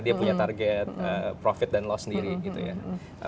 dia punya target profit dan lost sendiri gitu ya